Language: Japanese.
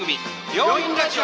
「病院ラジオ」。